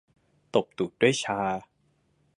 ตบตูดด้วยชา